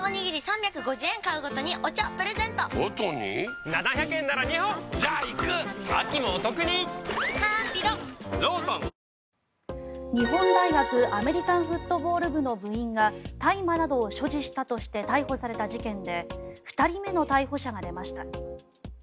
不眠には緑の漢方セラピー日本大学アメリカンフットボール部の部員が大麻などを所持したとして逮捕された事件で２人目の逮捕者が出ました。